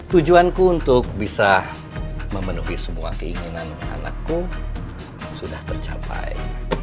tujuanku untuk bisa memenuhi semua keinginan anakku sudah tercapai